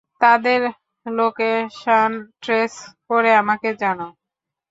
তাদের location trace করে আমাকে জানাও।